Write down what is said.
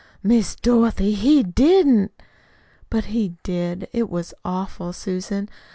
"Miss Dorothy, he didn't!" "But he did. It was awful, Susan.